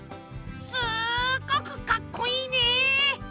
すっごくかっこいいね！